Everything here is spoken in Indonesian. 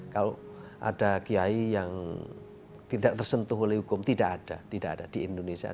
kalau ada kiai yang tidak tersentuh oleh hukum tidak ada tidak ada di indonesia